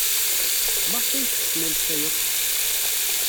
Maɣef ay tettessem anect-a akk?